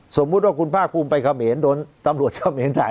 สมมุติว่าคุณภาคภูมิไปเขมรโดนตำรวจเขมรถ่าย